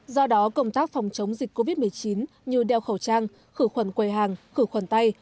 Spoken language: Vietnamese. do đó công tác phòng chống dịch covid một mươi chín như đeo khẩu trang khử khuẩn quầy hàng khử khuẩn tay